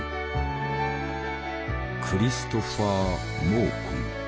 クリストファー・モーコム。